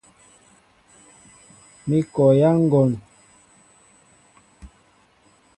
Mi kɔyá ŋgɔn.